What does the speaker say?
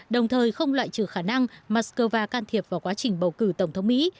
đồng thời không loại trừ khả năng moscow can thiệp vào quá trình bầu cử tổng thống mỹ